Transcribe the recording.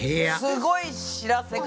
すごい知らせ方。